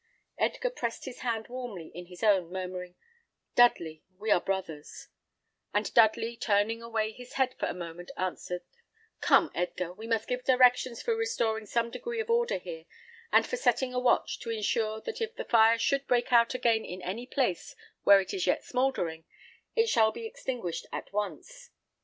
Edgar pressed his hand warmly in his own, murmuring, "Dudley, we are brothers;" and Dudley, turning away his head for a moment, answered, "Come, Edgar, we must give directions for restoring some degree of order here, and for setting a watch, to ensure, that if the fire should break out again in any place where it is yet smouldering, it shall be extinguished at once.